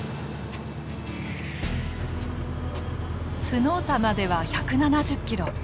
スノーサまでは１７０キロ。